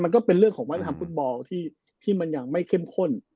ก็เป็นเรื่องของวัฒนธรรมฟุตบอลที่มันยังไม่เข้มข้น